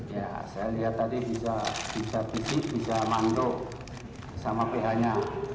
ya saya lihat tadi bisa pisik bisa manduk sama pihaknya